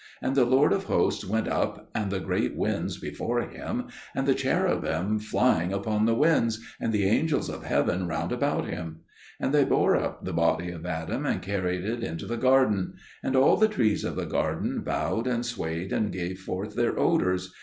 And the Lord of Hosts went up, and the great winds before Him, and the Cherubim flying upon the winds, and the angels of heaven round about Him. And they bore up the body of Adam and carried it into the garden. And all the trees of the garden bowed and swayed and gave forth their odours.